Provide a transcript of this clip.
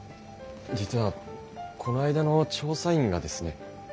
実はこないだの調査委員がですね